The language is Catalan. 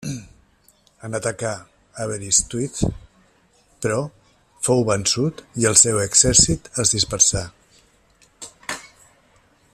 En atacar Aberystwyth, però, fou vençut i el seu exèrcit es dispersà.